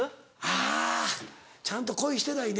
あぁちゃんと恋してないね。